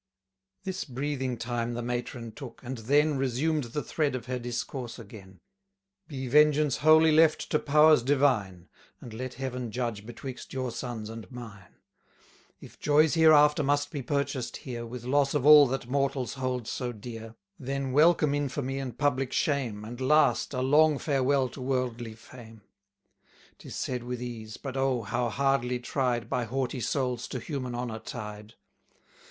This breathing time the matron took; and then Resumed the thread of her discourse again. Be vengeance wholly left to powers divine, And let Heaven judge betwixt your sons and mine: 280 If joys hereafter must be purchased here With loss of all that mortals hold so dear, Then welcome infamy and public shame, And, last, a long farewell to worldly fame. 'Tis said with ease, but, oh, how hardly tried By haughty souls to human honour tied!